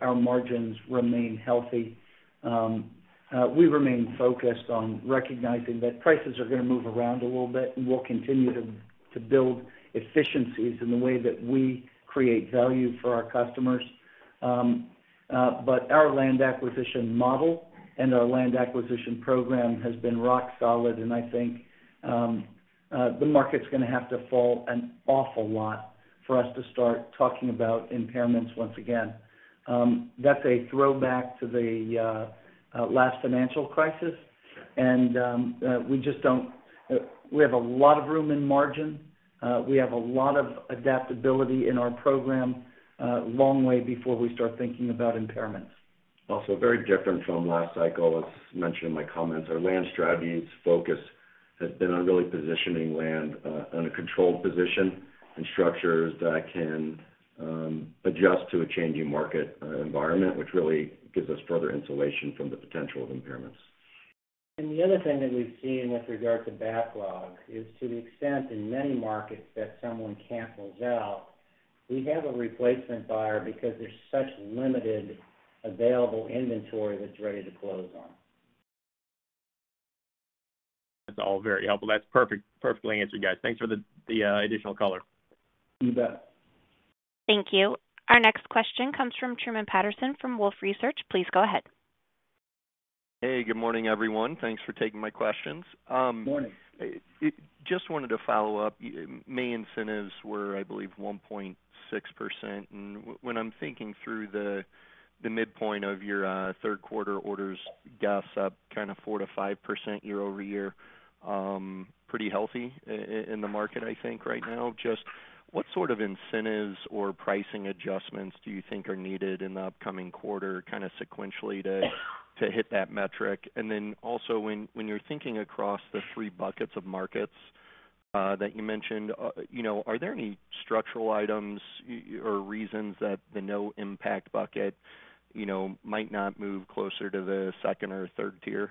Our margins remain healthy. We remain focused on recognizing that prices are gonna move around a little bit, and we'll continue to build efficiencies in the way that we create value for our customers. But our land acquisition model and our land acquisition program has been rock solid, and I think the market's gonna have to fall an awful lot for us to start talking about impairments once again. That's a throwback to the last financial crisis. We just don't. We have a lot of room in margin. We have a lot of adaptability in our program, a long way before we start thinking about impairments. Also, very different from last cycle, as mentioned in my comments, our land strategies focus has been on really positioning land on a controlled position and structures that can adjust to a changing market environment, which really gives us further insulation from the potential of impairments. The other thing that we've seen with regard to backlog is to the extent in many markets that someone cancels out, we have a replacement buyer because there's such limited available inventory that's ready to close on. That's all very helpful. That's perfectly answered, guys. Thanks for the additional color. You bet. Thank you. Our next question comes from Truman Patterson from Wolfe Research. Please go ahead. Hey, good morning, everyone. Thanks for taking my questions. Good morning. Just wanted to follow up. May incentives were, I believe, 1.6%. When I'm thinking through the midpoint of your Q3 orders, guess up kind of 4%-5% year-over-year, pretty healthy in the market, I think, right now. Just what sort of incentives or pricing adjustments do you think are needed in the upcoming quarter, kind of sequentially to hit that metric? Then also when you're thinking across the three buckets of markets that you mentioned, you know, are there any structural items or reasons that the no impact bucket, you know, might not move closer to the second- or third-tier?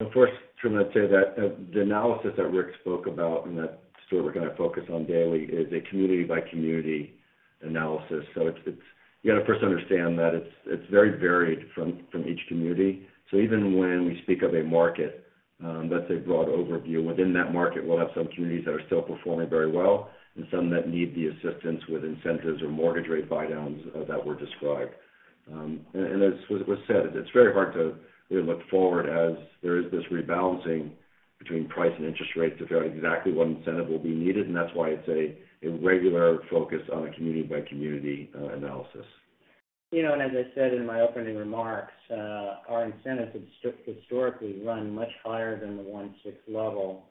Of course, Truman, I'd say that the analysis that Rick spoke about and that Stuart and I focus on daily is a community by community analysis. You got to first understand that it's very varied from each community. Even when we speak of a market, that's a broad overview. Within that market, we'll have some communities that are still performing very well and some that need the assistance with incentives or mortgage rate buydowns that were described. As was said, it's very hard to, you know, look forward as there is this rebalancing between price and interest rates to figure out exactly what incentive will be needed, and that's why it's a regular focus on a community by community analysis. You know, as I said in my opening remarks, our incentives have historically run much higher than the 1.6% level.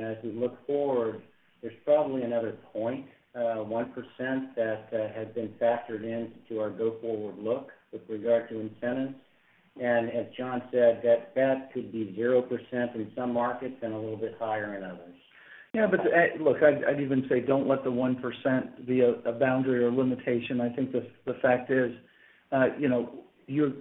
As we look forward, there's probably another point, 1% that has been factored into our go-forward look with regard to incentives. As Jon said, that could be 0% in some markets and a little bit higher in others. I'd even say don't let the 1% be a boundary or limitation. I think the fact is, you know, you're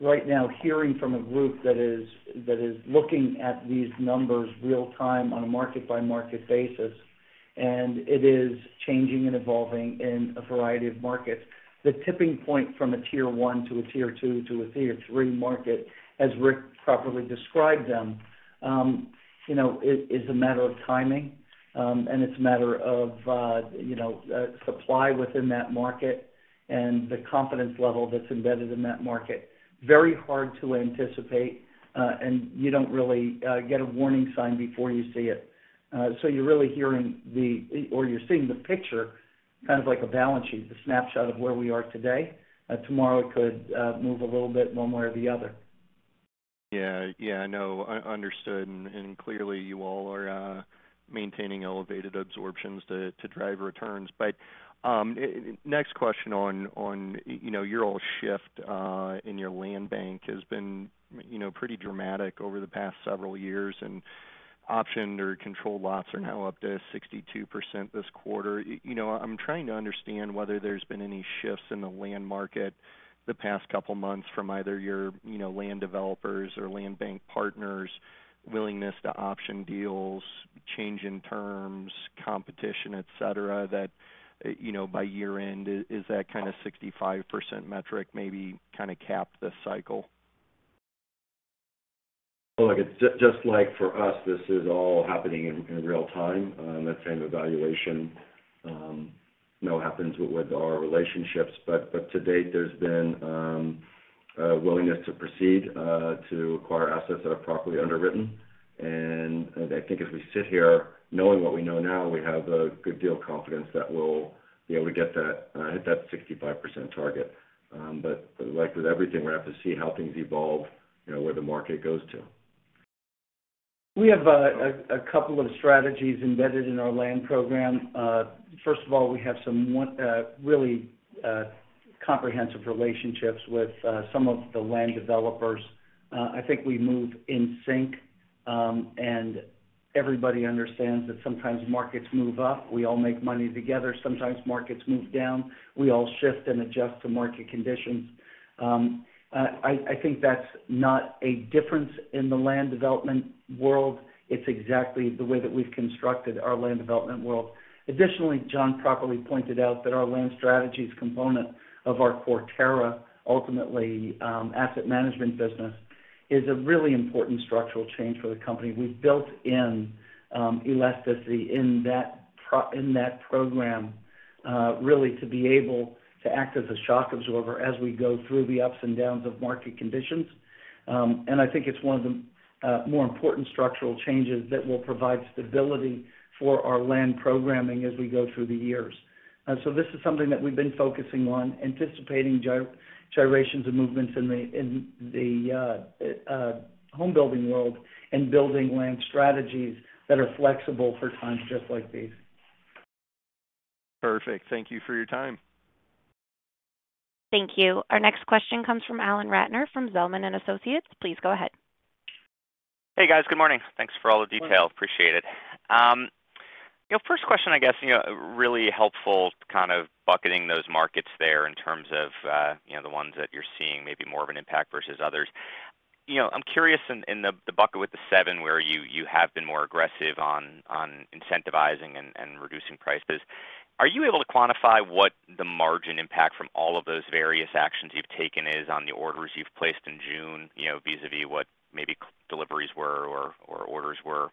right now hearing from a group that is looking at these numbers real time on a market by market basis, and it is changing and evolving in a variety of markets. The tipping point from a Tier 1 to a Tier 2 to a Tier 3 market, as Rick properly described them, you know, it is a matter of timing, and it's a matter of supply within that market and the confidence level that's embedded in that market. Very hard to anticipate, and you don't really get a warning sign before you see it. You're seeing the picture kind of like a balance sheet, the snapshot of where we are today. Tomorrow it could move a little bit one way or the other. Yeah. Yeah. No, understood. Clearly, you all are maintaining elevated absorptions to drive returns. Next question on, you know, your overall shift in your land bank has been, you know, pretty dramatic over the past several years, and optioned or controlled lots are now up to 62% this quarter. You know, I'm trying to understand whether there's been any shifts in the land market the past couple of months from either your, you know, land developers or land bank partners' willingness to option deals, change in terms, competition, et cetera, that, you know, by year-end, is that kind of 65% metric maybe kind of capped this cycle? Look, it's just like for us, this is all happening in real time. That same evaluation, you know, happens with our relationships. To date, there's been a willingness to proceed to acquire assets that are properly underwritten. I think as we sit here knowing what we know now, we have a good deal confidence that we'll be able to get that hit that 65% target. Like with everything, we have to see how things evolve, you know, where the market goes to. We have a couple of strategies embedded in our land program. First of all, we have some really comprehensive relationships with some of the land developers. I think we move in sync, and everybody understands that sometimes markets move up, we all make money together. Sometimes markets move down, we all shift and adjust to market conditions. I think that's not a difference in the land development world. It's exactly the way that we've constructed our land development world. Additionally, Jon properly pointed out that our land strategies component of our Quarterra ultimately asset management business is a really important structural change for the company. We've built in elasticity in that program, really to be able to act as a shock absorber as we go through the ups and downs of market conditions. I think it's one of the more important structural changes that will provide stability for our land programming as we go through the years. This is something that we've been focusing on, anticipating generations of movements in the home building world and building land strategies that are flexible for times just like these. Perfect. Thank you for your time. Thank you. Our next question comes from Alan Ratner from Zelman & Associates. Please go ahead. Hey, guys. Good morning. Thanks for all the detail. Appreciate it. You know, first question, I guess, you know, really helpful kind of bucketing those markets there in terms of, you know, the ones that you're seeing maybe more of an impact versus others. You know, I'm curious in the bucket with the seven where you have been more aggressive on incentivizing and reducing prices. Are you able to quantify what the margin impact from all of those various actions you've taken is on the orders you've placed in June, you know, vis-a-vis what maybe deliveries were or orders were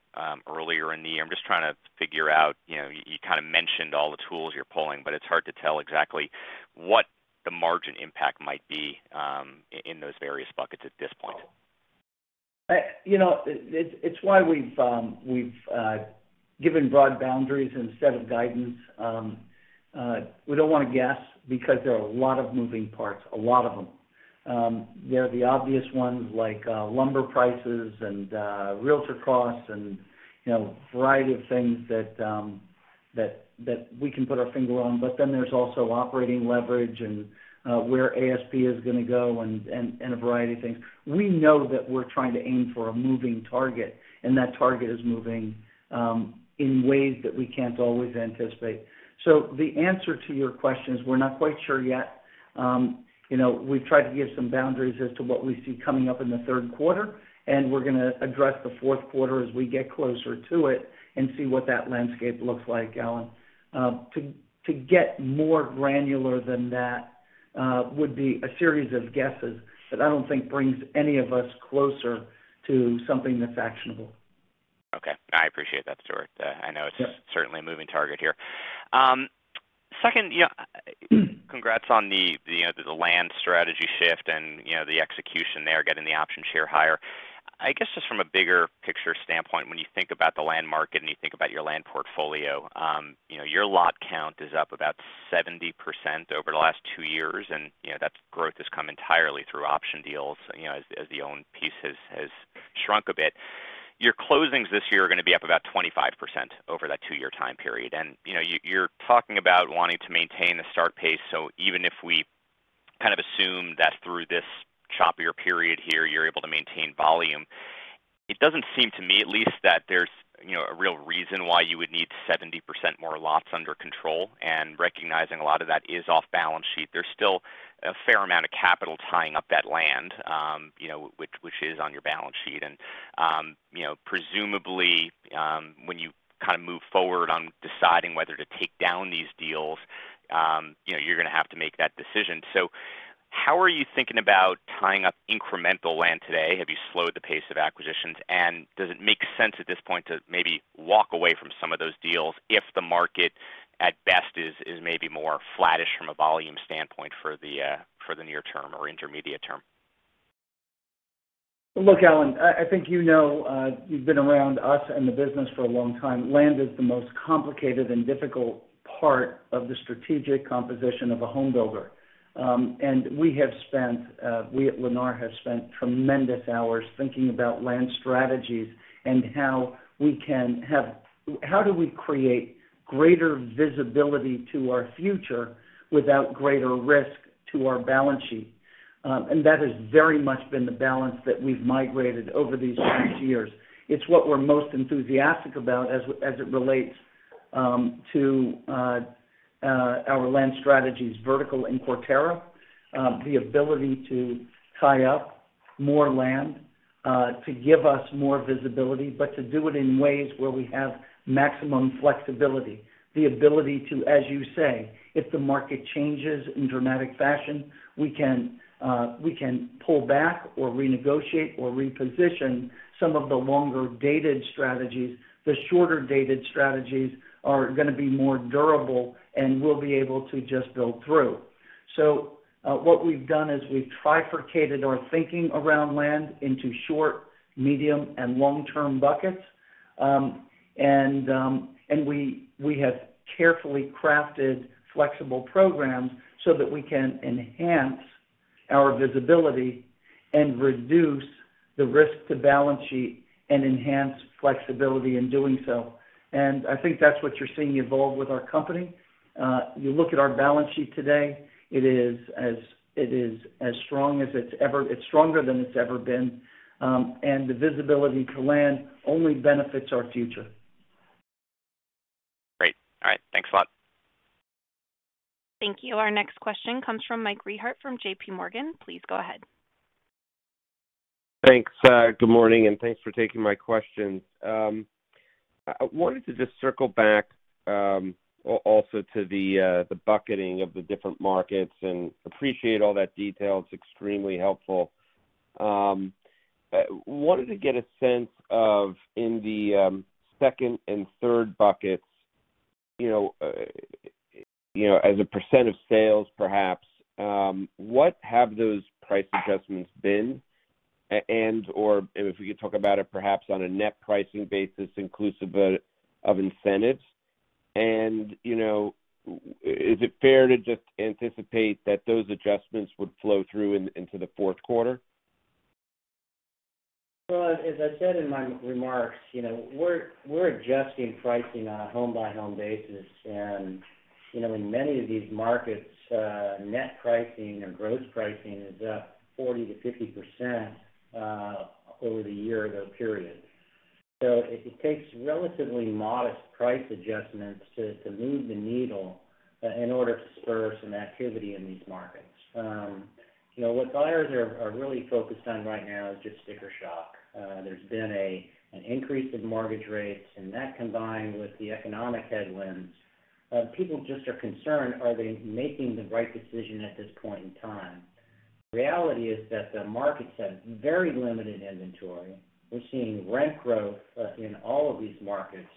earlier in the year? I'm just trying to figure out, you know, you kind of mentioned all the tools you're pulling, but it's hard to tell exactly what the margin impact might be in those various buckets at this point. You know, it's why we've given broad boundaries instead of guidance. We don't wanna guess because there are a lot of moving parts, a lot of them. There are the obvious ones like lumber prices and realtor costs and, you know, a variety of things that we can put our finger on. But then there's also operating leverage and where ASP is gonna go and a variety of things. We know that we're trying to aim for a moving target, and that target is moving in ways that we can't always anticipate. The answer to your question is we're not quite sure yet. You know, we've tried to give some boundaries as to what we see coming up in the Q3, and we're gonna address the Q4 as we get closer to it and see what that landscape looks like, Alan. To get more granular than that would be a series of guesses that I don't think brings any of us closer to something that's actionable. Okay. I appreciate that, Stuart. I know it's- Yeah Certainly a moving target here. Second, you know, congrats on the, you know, the land strategy shift and, you know, the execution there, getting the option share higher. I guess just from a bigger picture standpoint, when you think about the land market and you think about your land portfolio, you know, your lot count is up about 70% over the last two years, and, you know, that growth has come entirely through option deals, you know, as the owned piece has shrunk a bit. Your closings this year are gonna be up about 25% over that two-year time period. You know, you're talking about wanting to maintain the start pace. Even if we kind of assume that through this choppier period here, you're able to maintain volume, it doesn't seem, to me at least, that there's, you know, a real reason why you would need 70% more lots under control. Recognizing a lot of that is off balance sheet, there's still a fair amount of capital tying up that land, you know, which is on your balance sheet. You know, presumably, when you kind of move forward on deciding whether to take down these deals, you know, you're gonna have to make that decision. How are you thinking about tying up incremental land today? Have you slowed the pace of acquisitions? Does it make sense at this point to maybe walk away from some of those deals if the market at best is maybe more flattish from a volume standpoint for the near term or intermediate term? Look, Alan, I think you know, you've been around us and the business for a long time. Land is the most complicated and difficult part of the strategic composition of a home builder. We at Lennar have spent tremendous hours thinking about land strategies and how we can create greater visibility to our future without greater risk to our balance sheet? That has very much been the balance that we've migrated over these past years. It's what we're most enthusiastic about as it relates to our land strategies, vertical and Quarterra. The ability to tie up more land to give us more visibility, but to do it in ways where we have maximum flexibility. The ability to, as you say, if the market changes in dramatic fashion, we can pull back or renegotiate or reposition some of the longer-dated strategies. The shorter-dated strategies are gonna be more durable, and we'll be able to just build through. What we've done is we've trifurcated our thinking around land into short, medium, and long-term buckets. We have carefully crafted flexible programs so that we can enhance our visibility and reduce the risk to balance sheet and enhance flexibility in doing so. I think that's what you're seeing evolve with our company. You look at our balance sheet today, it's stronger than it's ever been. The visibility to land only benefits our future. Great. All right. Thanks a lot. Thank you. Our next question comes from Mike Rehaut from JPMorgan. Please go ahead. Thanks. Good morning, and thanks for taking my questions. I wanted to just circle back, also to the bucketing of the different markets and appreciate all that detail. It's extremely helpful. Wanted to get a sense of in the second and third buckets, you know, as a percent of sales perhaps, what have those price adjustments been, and/or if we could talk about it perhaps on a net pricing basis inclusive of incentives. You know, is it fair to just anticipate that those adjustments would flow through into the Q4? Well, as I said in my remarks, you know, we're adjusting pricing on a home-by-home basis. You know, in many of these markets, net pricing or gross pricing is up 40%-50% over the year-ago period. It takes relatively modest price adjustments to move the needle in order to spur some activity in these markets. You know, what buyers are really focused on right now is just sticker shock. There's been an increase of mortgage rates, and that combined with the economic headwinds, people just are concerned, are they making the right decision at this point in time? Reality is that the markets have very limited inventory. We're seeing rent growth in all of these markets.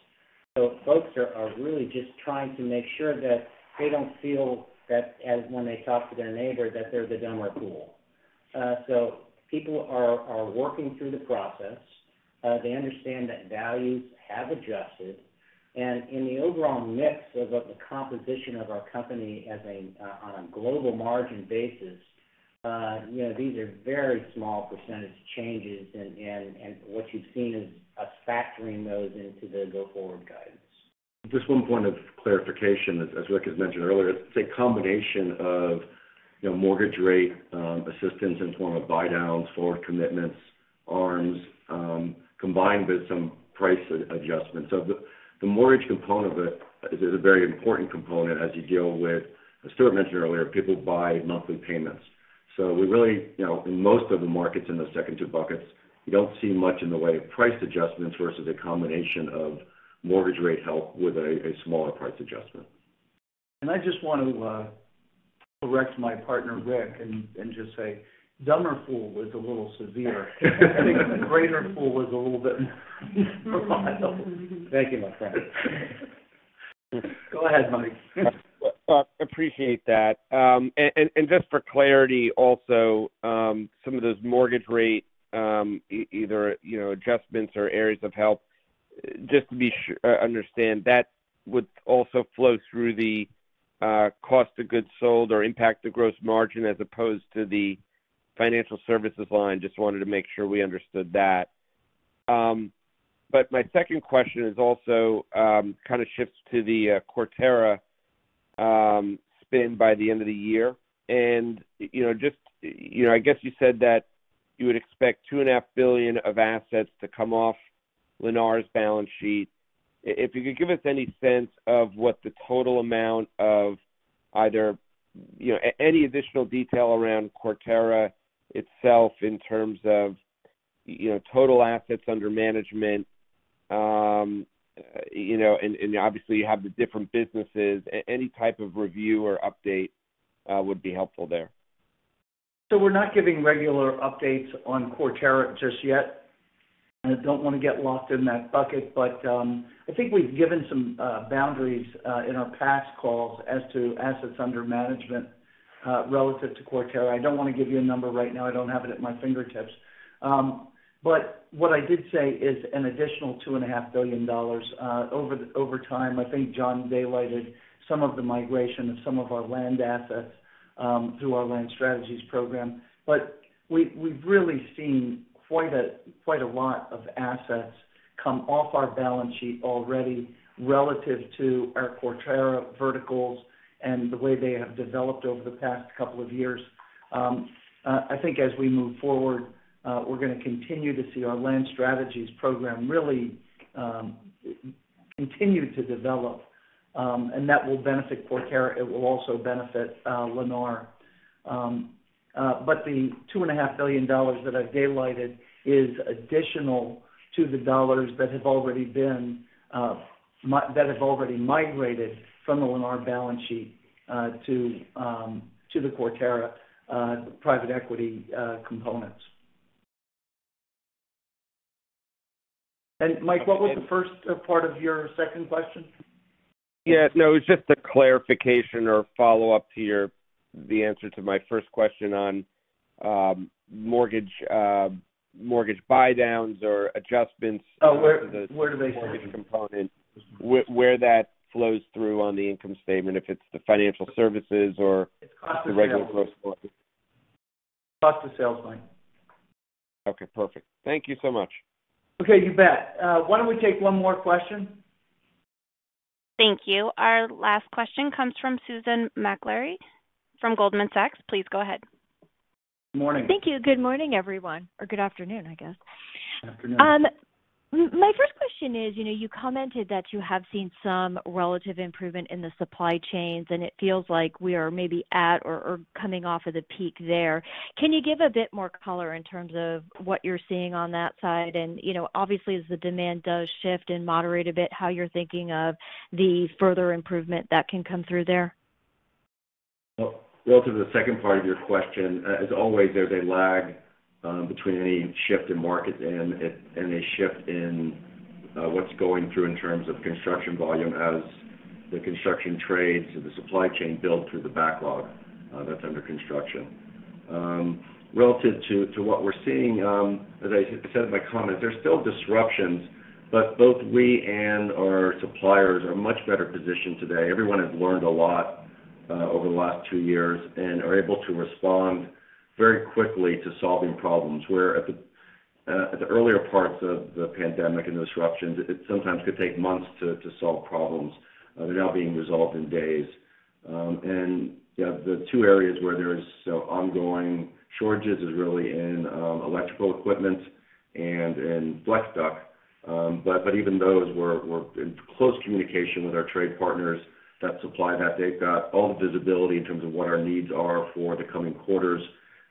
Folks are really just trying to make sure that they don't feel that ASP when they talk to their neighbor, that they're the dumber fool. People are working through the process. They understand that values have adjusted. In the overall mix of the composition of our company on a global margin basis, you know, these are very small percentage changes. What you've seen is us factoring those into the go-forward guidance. Just one point of clarification. As Rick has mentioned earlier, it's a combination of, you know, mortgage rate assistance in form of buy downs or commitments, arms, combined with some price adjustments. The mortgage component of it is a very important component as you deal with, as Stuart mentioned earlier, people buy monthly payments. We really, you know, in most of the markets in those second two buckets, you don't see much in the way of price adjustments versus a combination of mortgage rate help with a smaller price adjustment. I just want to correct my partner, Rick, and just say dumber fool was a little severe. I think the greater fool was a little bit more viable. Thank you, my friend. Go ahead, Mike. Well, I appreciate that. And just for clarity also, some of those mortgage rate either, you know, adjustments or areas of help, just to understand, that would also flow through the cost of goods sold or impact the gross margin as opposed to the financial services line. Just wanted to make sure we understood that. My second question is also kind of shifts to the Quarterra spin by the end of the year. You know, just, you know, I guess you said that you would expect $2.5 billion of assets to come off Lennar's balance sheet. If you could give us any sense of what the total amount of either, you know, any additional detail around Quarterra itself in terms of, you know, total assets under management, you know, and obviously you have the different businesses. Any type of review or update would be helpful there. We're not giving regular updates on Quarterra just yet. I don't want to get locked in that bucket, but I think we've given some boundaries in our past calls as to assets under management relative to Quarterra. I don't want to give you a number right now. I don't have it at my fingertips. But what I did say is an additional $2.5 billion over time. I think Jon daylighted some of the migration of some of our land assets through our land strategies program. We've really seen quite a lot of assets come off our balance sheet already relative to our Quarterra verticals and the way they have developed over the past couple of years. I think as we move forward, we're gonna continue to see our land strategies program really continue to develop, and that will benefit Quarterra. It will also benefit Lennar. But the $2.5 billion that I've daylighted is additional to the dollars that have already migrated from the Lennar balance sheet to the Quarterra private equity components. Mike, what was the first part of your second question? Yeah, no, it was just a clarification or follow-up to your, the answer to my first question on mortgage buy-downs or adjustments. Oh, where do they show? -for the mortgage component. Where that flows through on the income statement, if it's the Financial Services or- It's cost of sales. the regular cost. Cost of sales line. Okay, perfect. Thank you so much. Okay, you bet. Why don't we take one more question? Thank you. Our last question comes from Susan Maklari from Goldman Sachs. Please go ahead. Morning. Thank you. Good morning, everyone, or good afternoon, I guess. Afternoon. My first question is, you know, you commented that you have seen some relative improvement in the supply chains, and it feels like we are maybe at or coming off of the peak there. Can you give a bit more color in terms of what you're seeing on that side? You know, obviously, as the demand does shift and moderate a bit, how you're thinking of the further improvement that can come through there. Well, relative to the second part of your question, as always, there's a lag between any shift in market demand and a shift in what's going through in terms of construction volume as the construction trades or the supply chain build through the backlog that's under construction. Relative to what we're seeing, as I said in my comment, there's still disruptions, but both we and our suppliers are much better positioned today. Everyone has learned a lot over the last two years and are able to respond very quickly to solving problems, where at the earlier parts of the pandemic and the disruptions, it sometimes could take months to solve problems. They're now being resolved in days. You know, the two areas where there is still ongoing shortages is really in electrical equipment and in flex duct. But even those, we're in close communication with our trade partners that supply that. They've got all the visibility in terms of what our needs are for the coming quarters,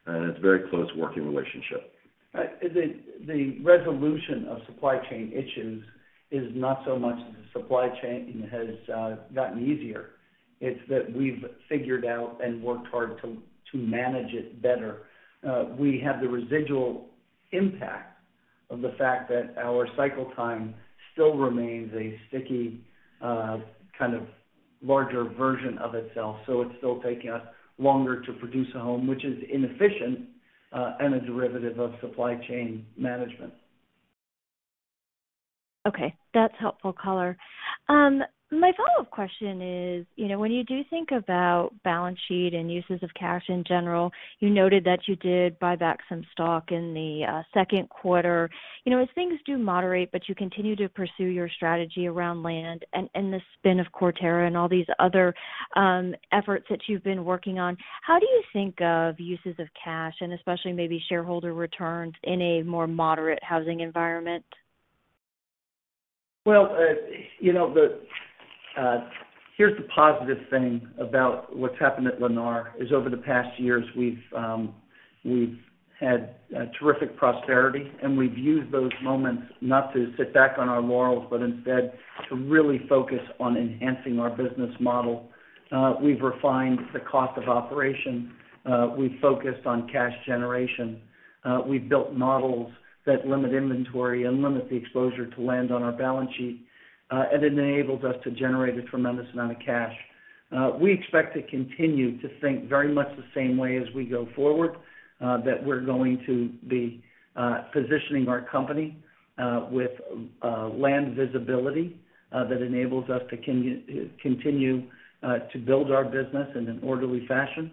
and it's a very close working relationship. The resolution of supply chain issues is not so much that the supply chain has gotten easier. It's that we've figured out and worked hard to manage it better. We have the residual impact of the fact that our cycle time still remains a sticky kind of larger version of itself. It's still taking us longer to produce a home, which is inefficient and a derivative of supply chain management. Okay. That's helpful color. My follow-up question is, you know, when you do think about balance sheet and uses of cash in general, you noted that you did buy back some stock in the Q2. You know, as things do moderate but you continue to pursue your strategy around land and the spin of Quarterra and all these other efforts that you've been working on, how do you think of uses of cash and especially maybe shareholder returns in a more moderate housing environment? Well, you know, here's the positive thing about what's happened at Lennar, is over the past years, we've had terrific prosperity, and we've used those moments not to sit back on our morals, but instead to really focus on enhancing our business model. We've refined the cost of operation. We've focused on cash generation. We've built models that limit inventory and limit the exposure to land on our balance sheet, and it enables us to generate a tremendous amount of cash. We expect to continue to think very much the same way as we go forward, that we're going to be positioning our company with land visibility that enables us to continue to build our business in an orderly fashion.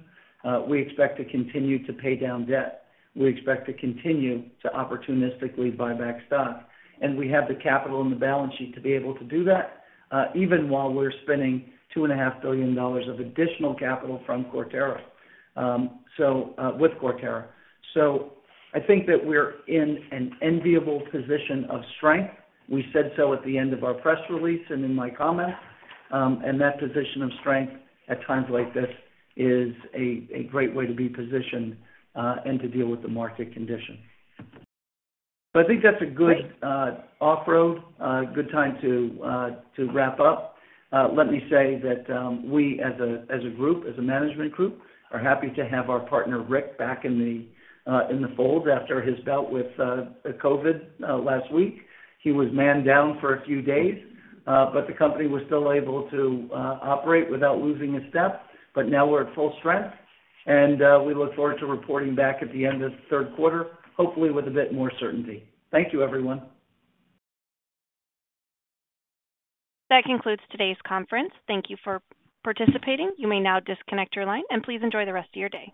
We expect to continue to pay down debt. We expect to continue to opportunistically buy back stock, and we have the capital and the balance sheet to be able to do that, even while we're spending $2.5 billion of additional capital from Quarterra. I think that we're in an enviable position of strength. We said so at the end of our press release and in my comments. That position of strength at times like this is a great way to be positioned, and to deal with the market condition. I think that's a good. Great. A good time to wrap up. Let me say that we, as a group, as a management group, are happy to have our partner, Rick, back in the fold after his bout with COVID last week. He was down for a few days, but the company was still able to operate without losing a step. Now we're at full strength, and we look forward to reporting back at the end of the Q3, hopefully with a bit more certainty. Thank you, everyone. That concludes today's conference. Thank you for participating. You may now disconnect your line, and please enjoy the rest of your day.